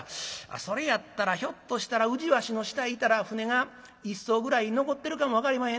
それやったらひょっとしたら宇治橋の下行ったら舟が一艘ぐらい残ってるかも分かりまへんで」。